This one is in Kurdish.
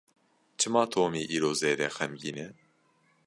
Çima Tomî îro zêde xemgîn e?